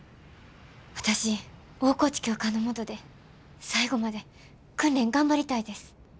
私大河内教官の下で最後まで訓練頑張りたいです。